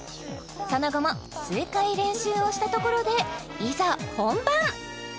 その後も数回練習をしたところでいざ本番！